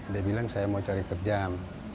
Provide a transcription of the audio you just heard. dia bilang saya mau cari kerjaan